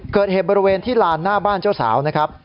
เกิดเหตุบริเวณที่ลานหน้าบ้านเจ้าสาวนะครับ